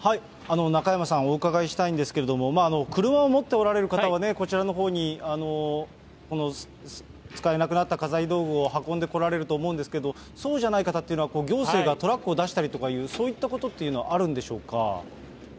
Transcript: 中山さん、お伺いしたいんですけど、車を持っておられる方は、こちらのほうに、使えなくなった家財道具を運んでこられると思うんですけど、そうじゃない方っていうのは、行政がトラックを出したりとかっていう、そういったことっていうのはあるんでしょうか。